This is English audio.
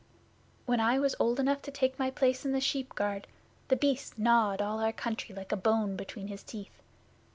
'When I was old enough to take my place in the Sheepguard, The Beast gnawed all our country like a bone between his teeth.